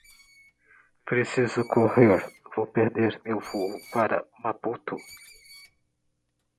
Preciso correr, vou perder meu voo para Maputo.